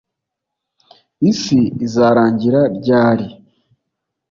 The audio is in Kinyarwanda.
Isi izarangira ryari